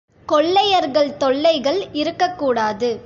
கொள்ளையர்கள் தொல்லைகள் இருக்கக் கூடாது.